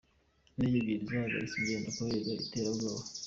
Indege ebyiri zahagaritse ingendo kubera iterabwoba